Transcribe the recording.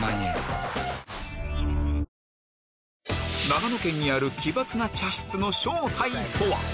長野県にある奇抜な茶室の正体とは？